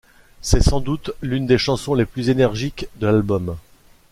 C'est sans doute l'une des chansons les plus énergiques de l'album.